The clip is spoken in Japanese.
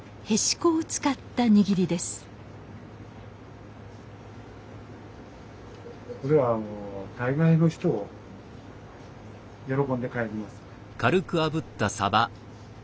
これはもう大概の人喜んで帰ります。